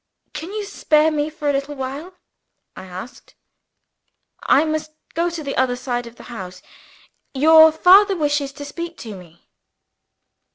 "Can you spare me for a little while?" I asked. "I must go to the other side of the house. Your father wishes to speak to me."